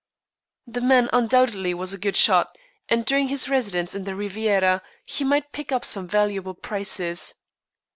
The man undoubtedly was a good shot, and during his residence in the Riviera he might pick up some valuable prizes.